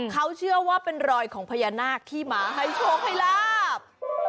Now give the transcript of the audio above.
เขาเชื่อว่าเป็นรอยของพระยนาคาที่มาให้โฉวคลาบ